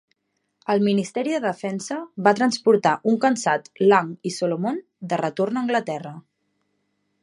El Ministeri de Defensa va transportar un cansat Lang i Solomon de retorn a Anglaterra.